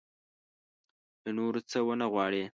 له نورو څه ونه وغواړي.